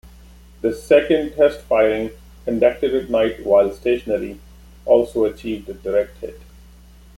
The second test firing, conducted at night while stationary, also achieved a direct hit.